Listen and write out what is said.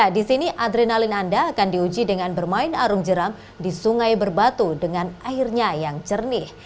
di sini adrenalin anda akan diuji dengan bermain arung jeram di sungai berbatu dengan airnya yang cernih